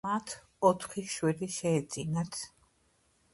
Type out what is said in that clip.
მათ ოთხი შვილი შეეძინათ.